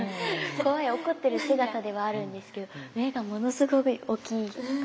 怖い怒ってる姿ではあるんですけど目がものすごい大きかったり。